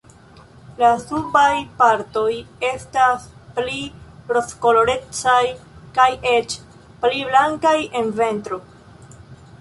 La subaj partoj estas pli rozkolorecaj kaj eĉ pli blankaj en ventro.